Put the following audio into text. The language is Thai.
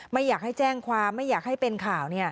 ไม่อยากให้แจ้งความไม่อยากให้เป็นข่าว